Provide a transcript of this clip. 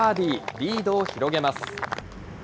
リードを広げます。